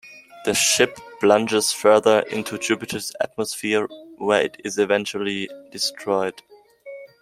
The ship plunges further into Jupiter's atmosphere where it is eventually destroyed.